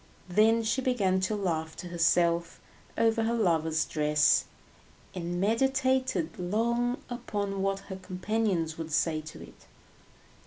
Then she began to laugh to herself over her lover's dress, and meditated long upon what her companions would say to it.